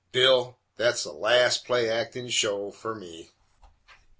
Bill, that's the last play actin' show fer me!"